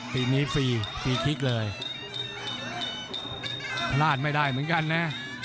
พลาดไม่ได้เหมือนกันนะ